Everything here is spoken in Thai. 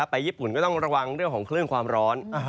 ไปญี่ปุ่นก็ต้องระวังเรื่องของคลื่นความร้อน